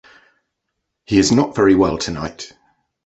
He is not very well tonight.